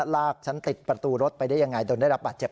ลากฉันติดประตูรถไปได้ยังไงจนได้รับบาดเจ็บ